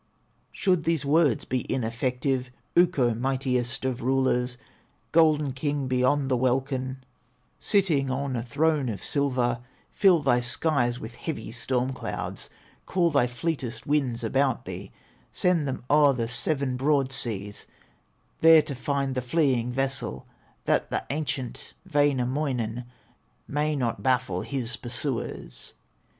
"Should these words be ineffective, Ukko, mightiest of rulers, Golden king beyond the welkin, Sitting on a throne of silver, Fill thy skies with heavy storm clouds, Call thy fleetest winds about thee, Send them o'er the seven broad seas, There to find the fleeing vessel, That the ancient Wainamoinen May not baffle his pursuers!"